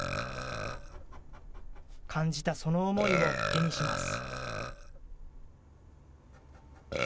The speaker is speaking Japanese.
感じたその思いを絵にします。